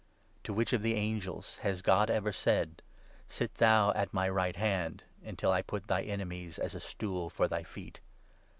To which of the angels has God ever said — 13 ' Sit thou at my right hand Until I put thy enemies as a stool for thy feet